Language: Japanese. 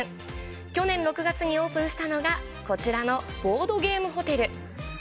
去年６月にオープンしたのがこちらのボードゲームホテル。